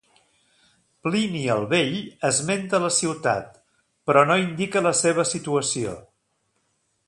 Plini el Vell esmenta la ciutat però no indica la seva situació.